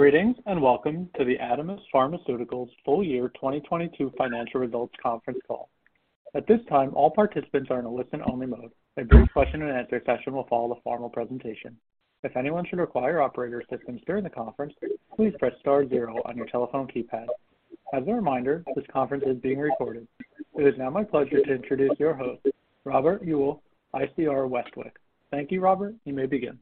Greetings, and welcome to the Adamis Pharmaceuticals full year 2022 financial results conference call. At this time, all participants are in a listen-only mode. A brief question and answer session will follow the formal presentation. If anyone should require operator assistance during the conference, please press star zero on your telephone keypad. As a reminder, this conference is being recorded. It is now my pleasure to introduce your host, Robert Uhl, ICR Westwicke. Thank you, Robert. You may begin.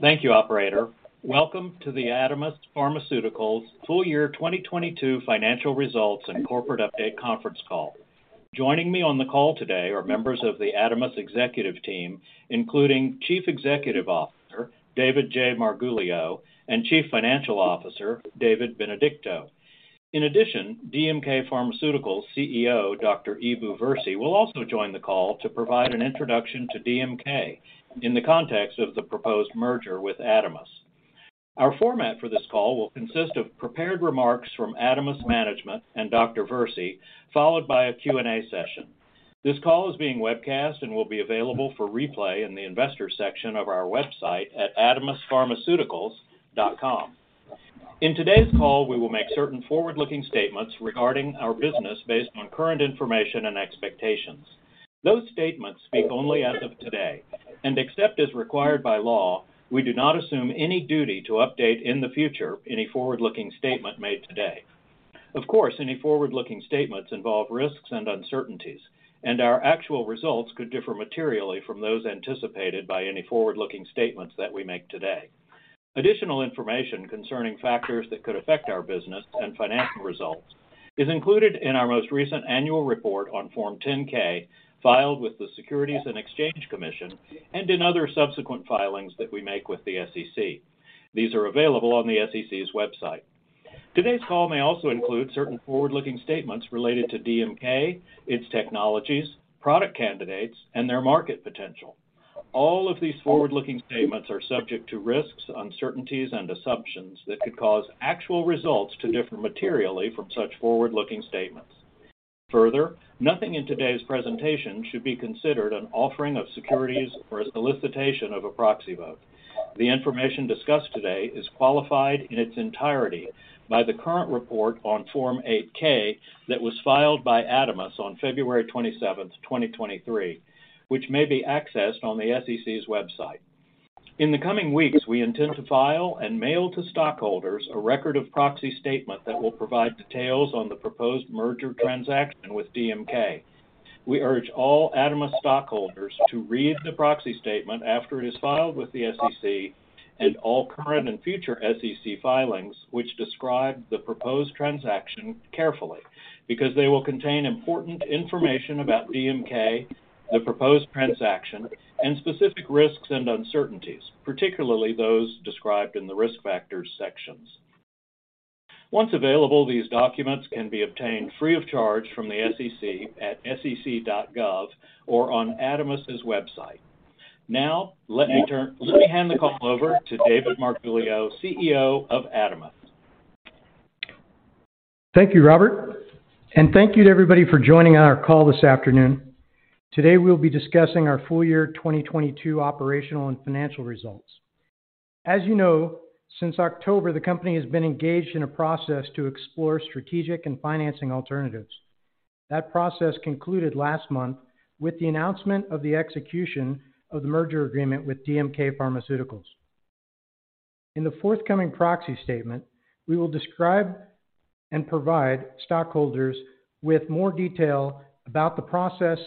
Thank you, operator. Welcome to the Adamis Pharmaceuticals full year 2022 financial results and corporate update conference call. Joining me on the call today are members of the Adamis executive team, including Chief Executive Officer David J. Marguglio, and Chief Financial Officer David Benedicto. In addition, DMK Pharmaceuticals CEO Dr. Eboo Versi will also join the call to provide an introduction to DMK in the context of the proposed merger with Adamis. Our format for this call will consist of prepared remarks from Adamis Management and Dr. Versi, followed by a Q&A session. This call is being webcast and will be available for replay in the investor section of our website at adamispharmaceuticals.com. In today's call, we will make certain forward-looking statements regarding our business based on current information and expectations. Those statements speak only as of today, and except as required by law, we do not assume any duty to update in the future any forward-looking statement made today. Of course, any forward-looking statements involve risks and uncertainties, and our actual results could differ materially from those anticipated by any forward-looking statements that we make today. Additional information concerning factors that could affect our business and financial results is included in our most recent annual report on Form 10-K, filed with the Securities and Exchange Commission and in other subsequent filings that we make with the SEC. These are available on the SEC's website. Today's call may also include certain forward-looking statements related to DMK, its technologies, product candidates, and their market potential. All of these forward-looking statements are subject to risks, uncertainties and assumptions that could cause actual results to differ materially from such forward-looking statements. Further, nothing in today's presentation should be considered an offering of securities or a solicitation of a proxy vote. The information discussed today is qualified in its entirety by the current report on Form 8-K that was filed by Adamis on February 27, 2023, which may be accessed on the SEC's website. In the coming weeks, we intend to file and mail to stockholders a record of proxy statement that will provide details on the proposed merger transaction with DMK. We urge all Adamis stockholders to read the proxy statement after it is filed with the SEC and all current and future SEC filings which describe the proposed transaction carefully, because they will contain important information about DMK, the proposed transaction, and specific risks and uncertainties, particularly those described in the Risk Factors sections. Once available, these documents can be obtained free of charge from the SEC at sec.gov or on Adamis's website. Now let me hand the call over to David Marguglio, CEO of Adamis. Thank you, Robert, and thank you to everybody for joining our call this afternoon. Today we'll be discussing our full year 2022 operational and financial results. As you know, since October, the company has been engaged in a process to explore strategic and financing alternatives. That process concluded last month with the announcement of the execution of the merger agreement with DMK Pharmaceuticals. In the forthcoming proxy statement, we will describe and provide stockholders with more detail about the process,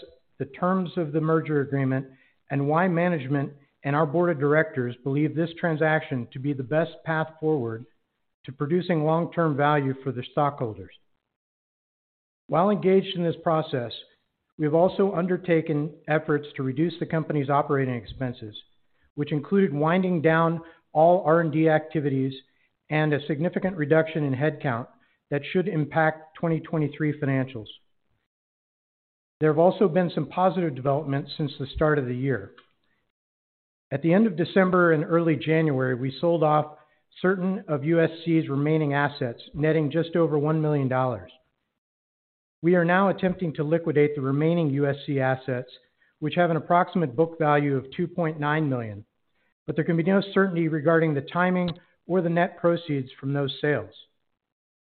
the terms of the merger agreement, and why management and our board of directors believe this transaction to be the best path forward to producing long-term value for the stockholders. While engaged in this process, we have also undertaken efforts to reduce the company's operating expenses, which included winding down all R&D activities and a significant reduction in headcount that should impact 2023 financials. There have also been some positive developments since the start of the year. At the end of December and early January, we sold off certain of USC's remaining assets, netting just over $1 million. We are now attempting to liquidate the remaining USC assets, which have an approximate book value of $2.9 million. There can be no certainty regarding the timing or the net proceeds from those sales.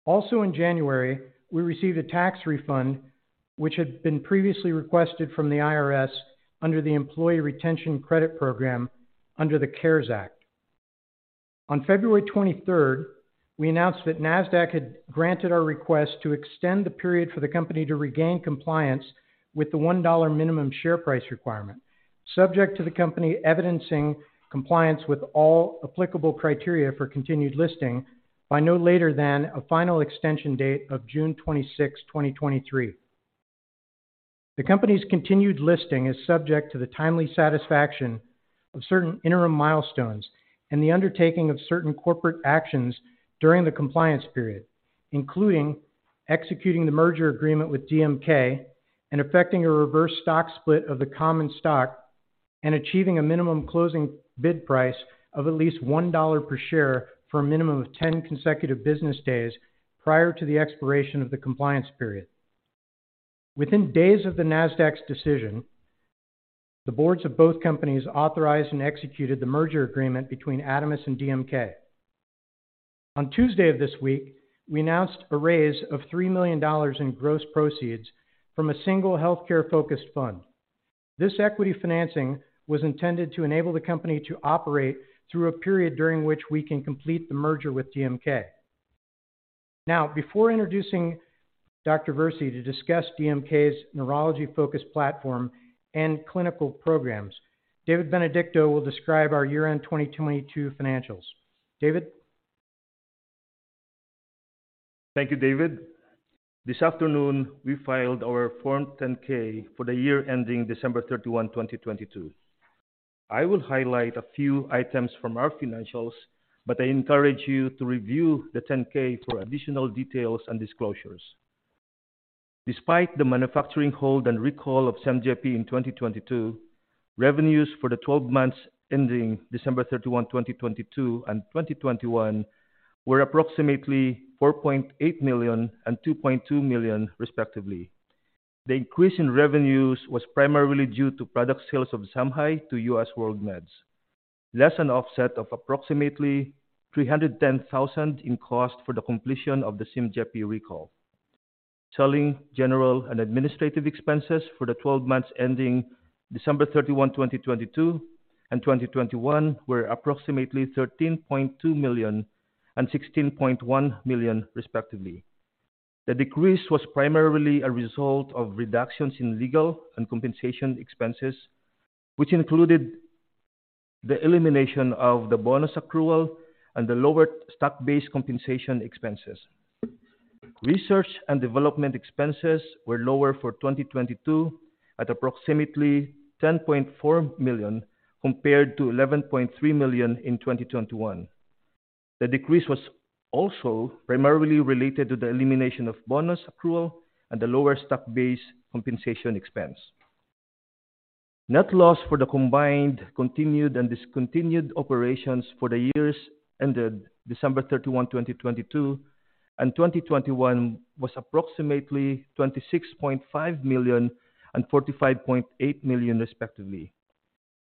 In January, we received a tax refund which had been previously requested from the IRS under the Employee Retention Credit Program under the CARES Act. On February 23rd, we announced that Nasdaq had granted our request to extend the period for the company to regain compliance with the $1 minimum share price requirement, subject to the company evidencing compliance with all applicable criteria for continued listing by no later than a final extension date of June 26th, 2023. The company's continued listing is subject to the timely satisfaction of certain interim milestones and the undertaking of certain corporate actions during the compliance period, including executing the merger agreement with DMK and effecting a reverse stock split of the common stock and achieving a minimum closing bid price of at least $1 per share for a minimum of 10 consecutive business days prior to the expiration of the compliance period. Within days of the Nasdaq's decision, the boards of both companies authorized and executed the merger agreement between Adamis and DMK. On Tuesday of this week, we announced a raise of $3 million in gross proceeds from a single healthcare-focused fund. This equity financing was intended to enable the company to operate through a period during which we can complete the merger with DMK. Before introducing Dr. Versi to discuss DMK's neurology-focused platform and clinical programs, David Benedicto will describe our year-end 2022 financials. David. Thank you, David. This afternoon, we filed our Form 10-K for the year ending December 31, 2022. I will highlight a few items from our financials. I encourage you to review the 10-K for additional details and disclosures. Despite the manufacturing hold and recall of SYMJEPI in 2022, revenues for the 12 months ending December 31, 2022 and 2021 were approximately $4.8 million and $2.2 million, respectively. The increase in revenues was primarily due to product sales of ZIMHI to US WorldMeds, less an offset of approximately $310,000 in cost for the completion of the SYMJEPI recall. Selling, general and administrative expenses for the 12 months ending December 31, 2022 and 2021 were approximately $13.2 million and $16.1 million, respectively. The decrease was primarily a result of reductions in legal and compensation expenses, which included the elimination of the bonus accrual and the lower stock-based compensation expenses. Research and development expenses were lower for 2022 at approximately $10.4 million, compared to $11.3 million in 2021. The decrease was also primarily related to the elimination of bonus accrual and the lower stock-based compensation expense. Net loss for the combined, continued, and discontinued operations for the years ended December 31, 2022 and 2021 was approximately $26.5 million and $45.8 million, respectively.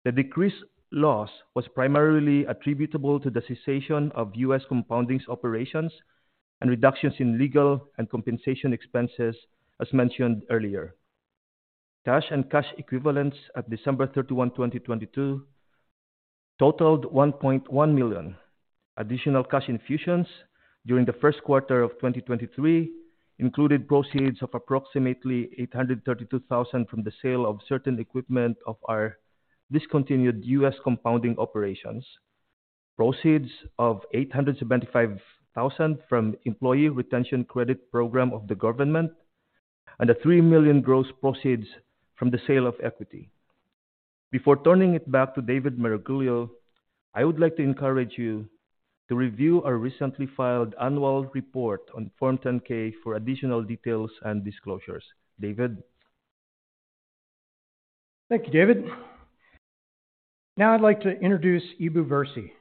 The decreased loss was primarily attributable to the cessation of US Compounding operations and reductions in legal and compensation expenses, as mentioned earlier. Cash and cash equivalents at December 31, 2022 totaled $1.1 million. Additional cash infusions during the first quarter of 2023 included proceeds of approximately $832,000 from the sale of certain equipment of our discontinued U.S. Compounding operations, proceeds of $875,000 from Employee Retention Credit program of the government, a $3 million gross proceeds from the sale of equity. Before turning it back to David Marguglio, I would like to encourage you to review our recently filed annual report on Form 10-K for additional details and disclosures. David. Thank you, David. Now I'd like to introduce Eboo Versi.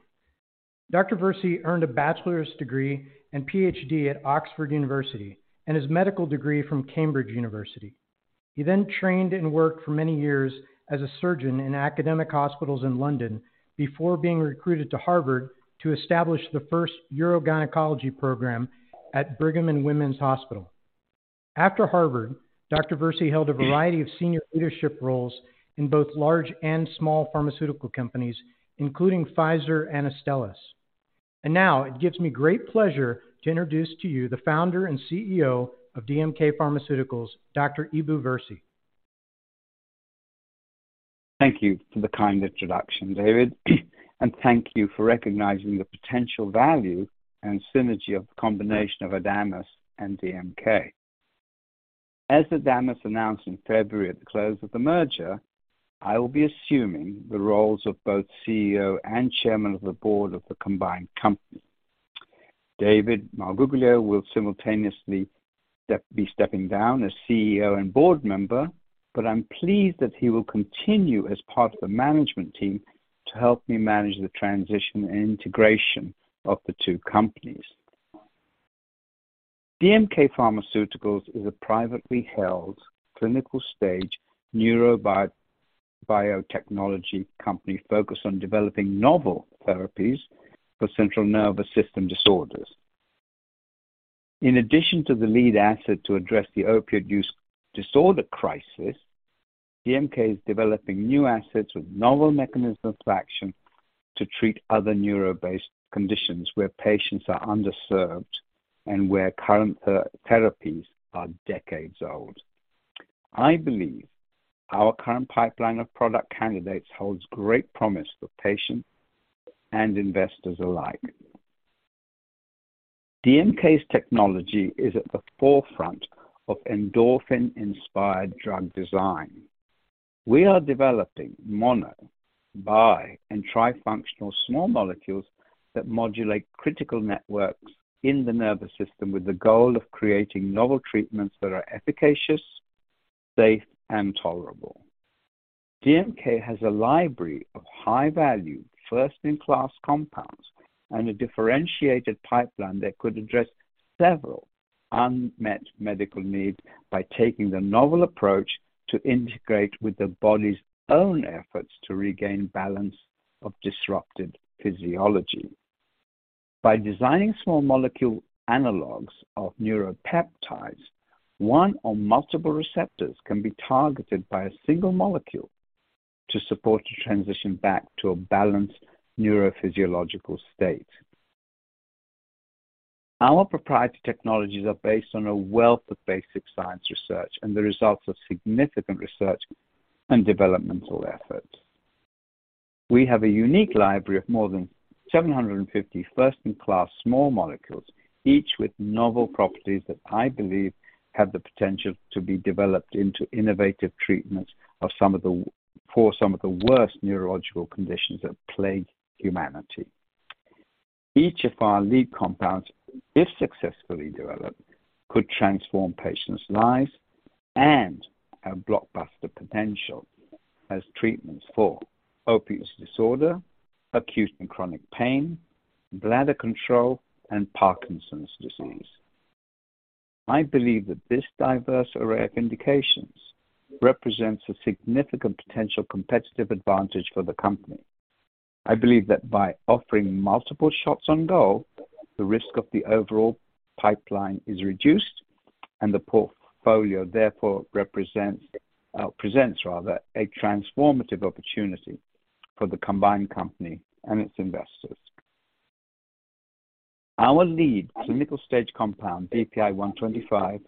Dr. Versi earned a bachelor's degree and PhD at Oxford University and his medical degree from Cambridge University. He trained and worked for many years as a surgeon in academic hospitals in London before being recruited to Harvard to establish the first urogynecology program at Brigham and Women's Hospital. After Harvard, Dr. Versi held a variety of senior leadership roles in both large and small pharmaceutical companies, including Pfizer and Astellas. Now it gives me great pleasure to introduce to you the founder and CEO of DMK Pharmaceuticals, Dr. Eboo Versi. Thank you for the kind introduction, David. Thank you for recognizing the potential value and synergy of the combination of Adamis and DMK. As Adamis announced in February at the close of the merger, I will be assuming the roles of both CEO and chairman of the board of the combined company. David Marguglio will simultaneously be stepping down as CEO and board member. I'm pleased that he will continue as part of the management team to help me manage the transition and integration of the two companies. DMK Pharmaceuticals is a privately held clinical-stage neurobiotechnology company focused on developing novel therapies for central nervous system disorders. In addition to the lead asset to address the opioid use disorder crisis, DMK is developing new assets with novel mechanisms of action to treat other neuro-based conditions where patients are underserved and where current therapies are decades old. I believe our current pipeline of product candidates holds great promise for patients and investors alike. DMK's technology is at the forefront of endorphin-inspired drug design. We are developing mono, bi, and tri-functional small molecules that modulate critical networks in the nervous system with the goal of creating novel treatments that are efficacious, safe, and tolerable. DMK has a library of high-value, first-in-class compounds and a differentiated pipeline that could address several unmet medical needs by taking the novel approach to integrate with the body's own efforts to regain balance of disrupted physiology. By designing small molecule analogs of neuropeptides, one or multiple receptors can be targeted by a single molecule to support the transition back to a balanced neurophysiological state. Our proprietary technologies are based on a wealth of basic science research and the results of significant research and developmental efforts. We have a unique library of more than 750 first-in-class small molecules, each with novel properties that I believe have the potential to be developed into innovative treatments for some of the worst neurological conditions that plague humanity. Each of our lead compounds, if successfully developed, could transform patients' lives and have blockbuster potential as treatments for opioid use disorder, acute and chronic pain, bladder control, and Parkinson's disease. I believe that this diverse array of indications represents a significant potential competitive advantage for the company. I believe that by offering multiple shots on goal, the risk of the overall pipeline is reduced and the portfolio therefore presents rather a transformative opportunity for the combined company and its investors. Our lead clinical-stage compound, DPI-125,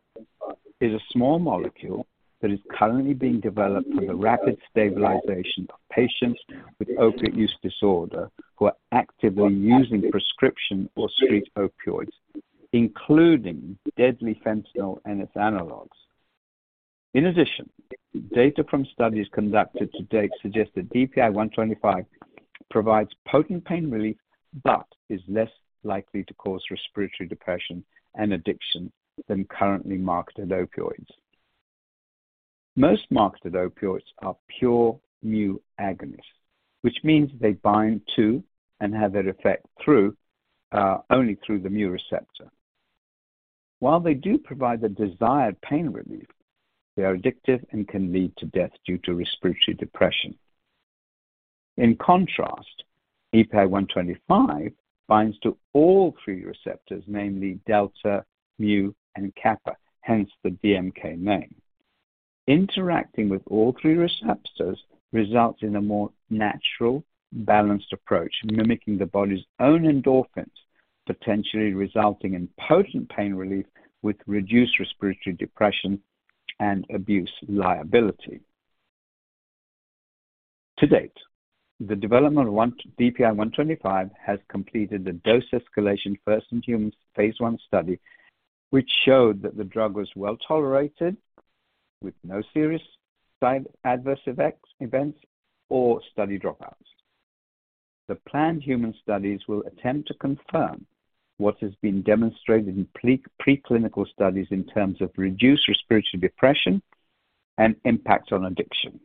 is a small molecule that is currently being developed for the rapid stabilization of patients with opioid use disorder who are actively using prescription or street opioids, including deadly fentanyl and its analogs. Data from studies conducted to date suggest that DPI-125 provides potent pain relief, but is less likely to cause respiratory depression and addiction than currently marketed opioids. Most marketed opioids are pure mu agonists, which means they bind to and have their effect only through the mu receptor. They do provide the desired pain relief, they are addictive and can lead to death due to respiratory depression. In contrast, DPI 125 binds to all three receptors, namely delta, mu, and kappa, hence the DMK name. Interacting with all three receptors results in a more natural balanced approach, mimicking the body's own endorphins, potentially resulting in potent pain relief with reduced respiratory depression and abuse liability. To date, the development of DPI 125 has completed a dose escalation first in humans phase I study which showed that the drug was well tolerated with no serious side adverse effects, events or study dropouts. The planned human studies will attempt to confirm what has been demonstrated in preclinical studies in terms of reduced respiratory depression and impact on addiction.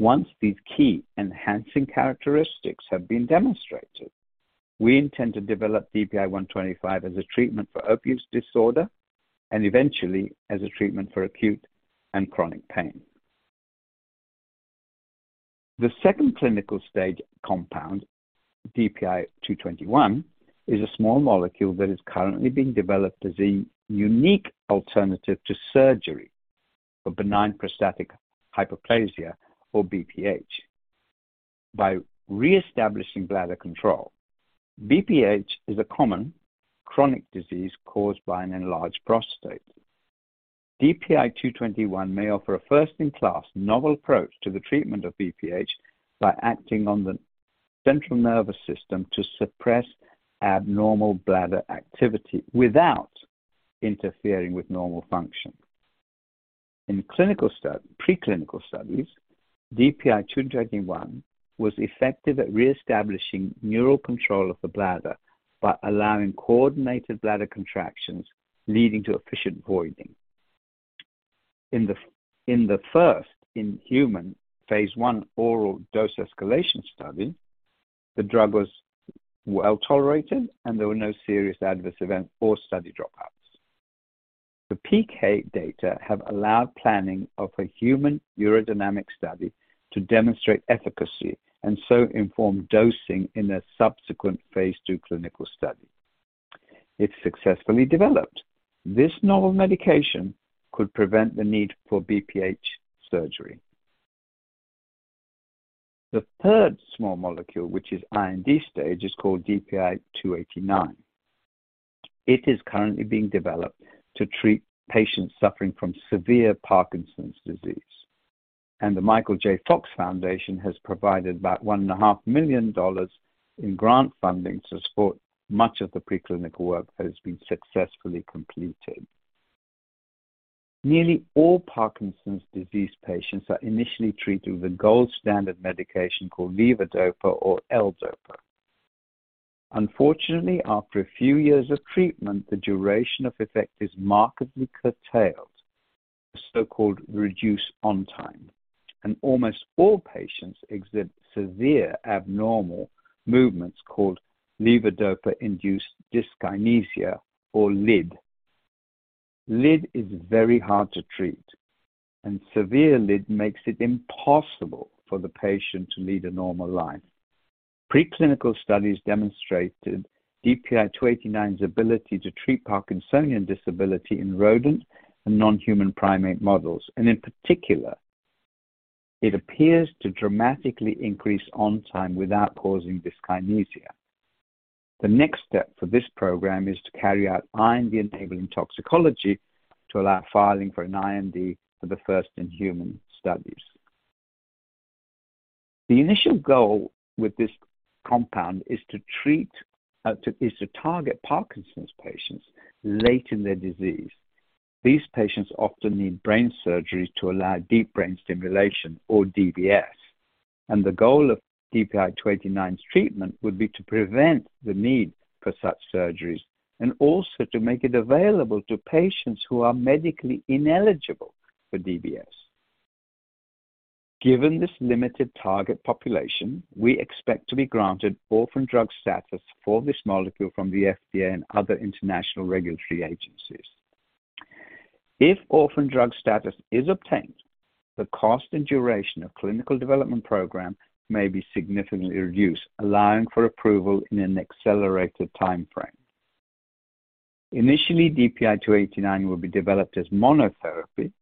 Once these key enhancing characteristics have been demonstrated, we intend to develop DPI 125 as a treatment for opioid use disorder and eventually as a treatment for acute and chronic pain. The second clinical stage compound, DPI-221, is a small molecule that is currently being developed as a unique alternative to surgery for benign prostatic hyperplasia or BPH by reestablishing bladder control. BPH is a common chronic disease caused by an enlarged prostate. DPI-221 may offer a first-in-class novel approach to the treatment of BPH by acting on the central nervous system to suppress abnormal bladder activity without interfering with normal function. In preclinical studies, DPI-221 was effective at reestablishing neural control of the bladder by allowing coordinated bladder contractions leading to efficient voiding. In the first in human phase I oral dose escalation study, the drug was well tolerated, and there were no serious adverse events or study dropouts. The PK data have allowed planning of a human urodynamic study to demonstrate efficacy and so inform dosing in a subsequent phase II clinical study. If successfully developed, this novel medication could prevent the need for BPH surgery. The third small molecule, which is IND stage, is called DPI-289. It is currently being developed to treat patients suffering from severe Parkinson's disease, and the Michael J. Fox Foundation has provided about one and a half million dollars in grant funding to support much of the preclinical work that has been successfully completed. Nearly all Parkinson's disease patients are initially treated with a gold standard medication called levodopa or L-DOPA. Unfortunately, after a few years of treatment, the duration of effect is markedly curtailed, the so-called reduced on-time, and almost all patients exhibit severe abnormal movements called levodopa-induced dyskinesia or LID. LID is very hard to treat. Severe LID makes it impossible for the patient to lead a normal life. Pre-clinical studies demonstrated DPI-289's ability to treat Parkinsonian disability in rodent and non-human primate models, and in particular, it appears to dramatically increase on time without causing dyskinesia. The next step for this program is to carry out IND-enabling toxicology to allow filing for an IND for the first in human studies. The initial goal with this compound is to treat, is to target Parkinson's patients late in their disease. These patients often need brain surgery to allow deep brain stimulation or DBS. The goal of DPI-289's treatment would be to prevent the need for such surgeries and also to make it available to patients who are medically ineligible for DBS. Given this limited target population, we expect to be granted orphan drug status for this molecule from the FDA and other international regulatory agencies. If orphan drug status is obtained, the cost and duration of clinical development program may be significantly reduced, allowing for approval in an accelerated timeframe. Initially, DPI-289 will be developed as monotherapy,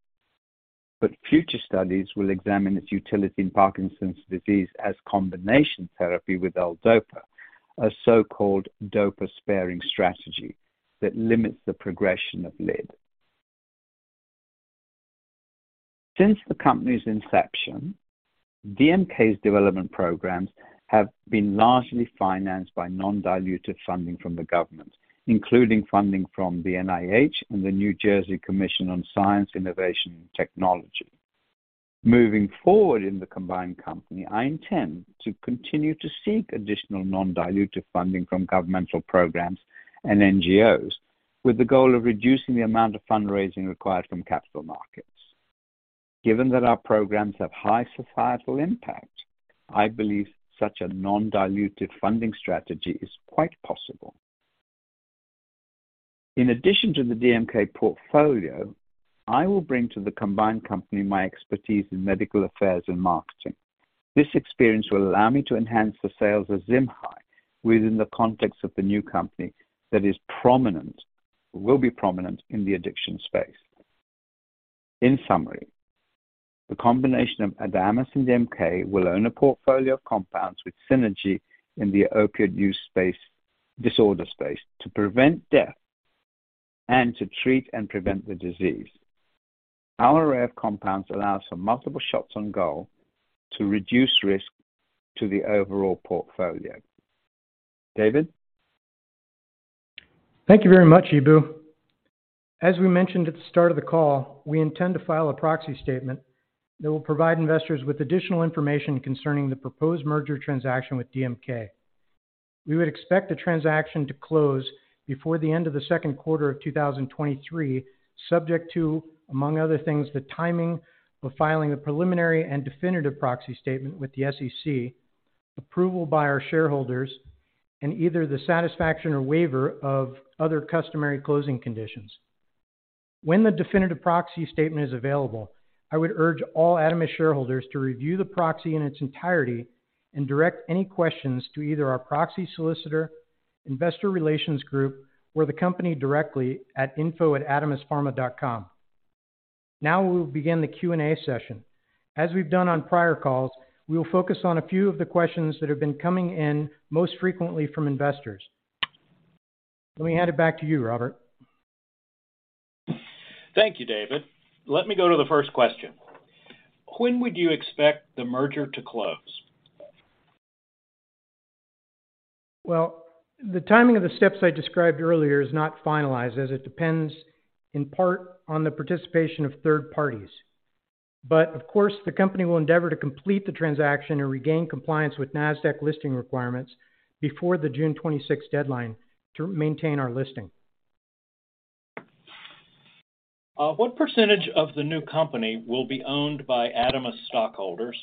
but future studies will examine its utility in Parkinson's disease as combination therapy with L-DOPA, a so-called dopa-sparing strategy that limits the progression of LID. Since the company's inception, DMK's development programs have been largely financed by non-dilutive funding from the government, including funding from the NIH and the New Jersey Commission on Science, Innovation and Technology. Moving forward in the combined company, I intend to continue to seek additional non-dilutive funding from governmental programs and NGOs with the goal of reducing the amount of fundraising required from capital markets. Given that our programs have high societal impact, I believe such a non-dilutive funding strategy is quite possible. In addition to the DMK portfolio, I will bring to the combined company my expertise in medical affairs and marketing. This experience will allow me to enhance the sales of ZIMHI within the context of the new company that will be prominent in the addiction space. In summary, the combination of Adamis and DMK will own a portfolio of compounds with synergy in the opioid use disorder space to prevent death and to treat and prevent the disease. Our array of compounds allows for multiple shots on goal to reduce risk to the overall portfolio. David. Thank you very much, Eboo. As we mentioned at the start of the call, we intend to file a proxy statement that will provide investors with additional information concerning the proposed merger transaction with DMK. We would expect the transaction to close before the end of the second quarter of 2023, subject to, among other things, the timing of filing the preliminary and definitive proxy statement with the SEC, approval by our shareholders, and either the satisfaction or waiver of other customary closing conditions. When the definitive proxy statement is available, I would urge all Adamis shareholders to review the proxy in its entirety and direct any questions to either our proxy solicitor, investor relations group, or the company directly at info@adamispharma.com. We will begin the Q&A session. As we've done on prior calls, we will focus on a few of the questions that have been coming in most frequently from investors. Let me hand it back to you, Robert. Thank you, David. Let me go to the first question. When would you expect the merger to close? Well, the timing of the steps I described earlier is not finalized, as it depends in part on the participation of third parties. Of course, the company will endeavor to complete the transaction and regain compliance with Nasdaq listing requirements before the June 26 deadline to maintain our listing. What percentage of the new company will be owned by Adamis stockholders?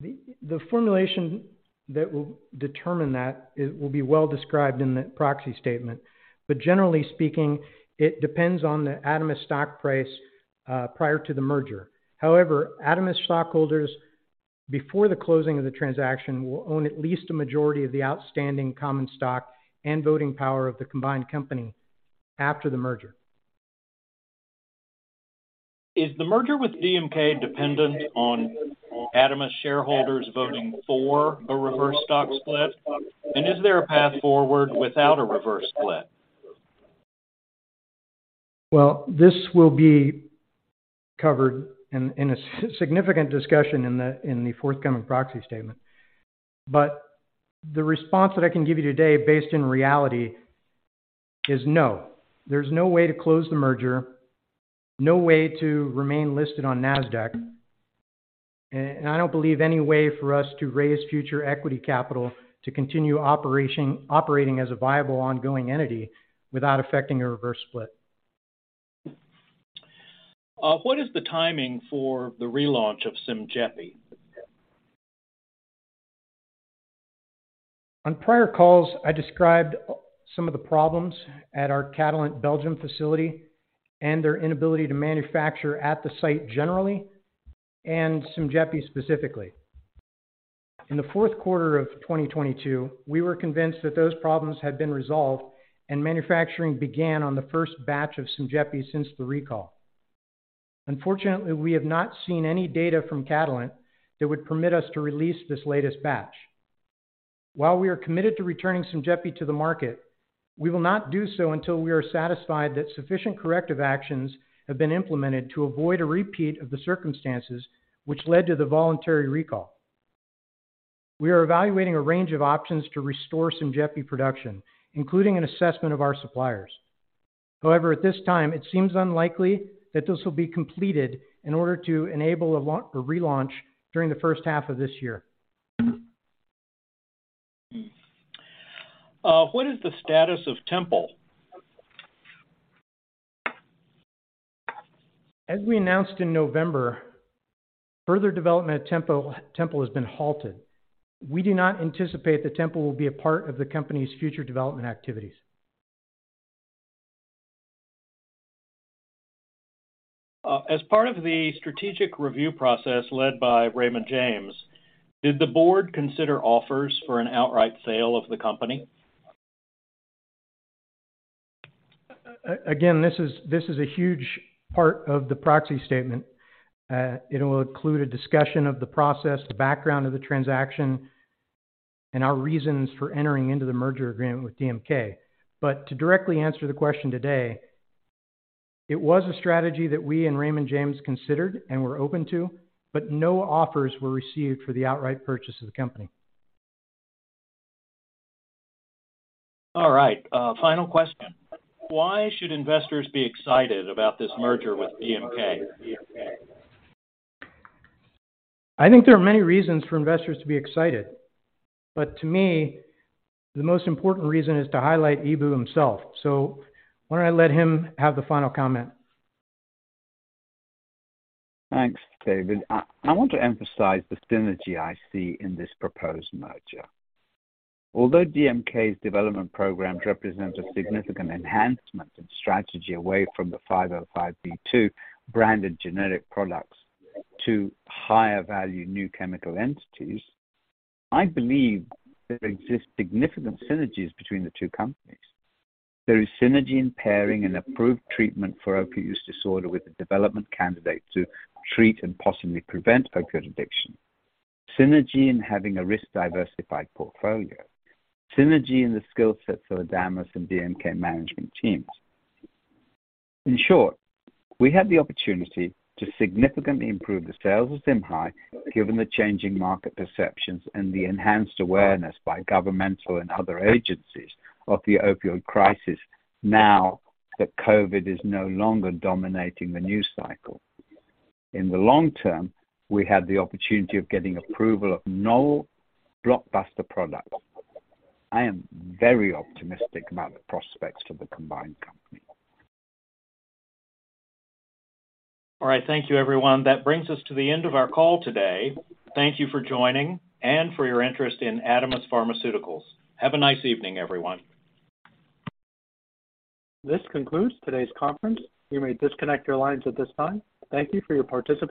The formulation that will determine that will be well described in the proxy statement, generally speaking, it depends on the Adamis stock price prior to the merger. However, Adamis stockholders, before the closing of the transaction, will own at least a majority of the outstanding common stock and voting power of the combined company after the merger. Is the merger with DMK dependent on Adamis shareholders voting for a reverse stock split? Is there a path forward without a reverse split? Well, this will be covered in a significant discussion in the forthcoming proxy statement. The response that I can give you today, based in reality is no. There's no way to close the merger, no way to remain listed on Nasdaq. I don't believe any way for us to raise future equity capital to continue operating as a viable, ongoing entity without affecting a reverse split. What is the timing for the relaunch of SYMJEPI? On prior calls, I described some of the problems at our Catalent Belgium facility and their inability to manufacture at the site generally, and SYMJEPI specifically. In the fourth quarter of 2022, we were convinced that those problems had been resolved and manufacturing began on the first batch of SYMJEPI since the recall. Unfortunately, we have not seen any data from Catalent that would permit us to release this latest batch. While we are committed to returning SYMJEPI to the market, we will not do so until we are satisfied that sufficient corrective actions have been implemented to avoid a repeat of the circumstances which led to the voluntary recall. We are evaluating a range of options to restore SYMJEPI production, including an assessment of our suppliers. at this time, it seems unlikely that this will be completed in order to enable a or relaunch during the first half of this year. What is the status of Tempol? As we announced in November, further development of Tempol has been halted. We do not anticipate that Tempol will be a part of the company's future development activities. As part of the strategic review process led by Raymond James, did the board consider offers for an outright sale of the company? Again, this is a huge part of the proxy statement. It will include a discussion of the process, the background of the transaction, and our reasons for entering into the merger agreement with DMK. To directly answer the question today, it was a strategy that we and Raymond James considered and were open to, but no offers were received for the outright purchase of the company. All right, final question. Why should investors be excited about this merger with DMK? I think there are many reasons for investors to be excited, but to me, the most important reason is to highlight Eboo himself. Why don't I let him have the final comment? Thanks, David. I want to emphasize the synergy I see in this proposed merger. Although DMK's development programs represent a significant enhancement in strategy away from the 505(b)(2) branded generic products to higher value new chemical entities, I believe there exists significant synergies between the two companies. There is synergy in pairing an approved treatment for opioid use disorder with a development candidate to treat and possibly prevent opiate addiction. Synergy in having a risk-diversified portfolio. Synergy in the skill sets of Adamis and DMK management teams. In short, we have the opportunity to significantly improve the sales of ZIMHI given the changing market perceptions and the enhanced awareness by governmental and other agencies of the opioid crisis now that COVID is no longer dominating the news cycle. In the long term, we have the opportunity of getting approval of novel blockbuster products. I am very optimistic about the prospects for the combined company. Thank you everyone. That brings us to the end of our call today. Thank you for joining and for your interest in Adamis Pharmaceuticals. Have a nice evening, everyone. This concludes today's conference. You may disconnect your lines at this time. Thank you for your participation.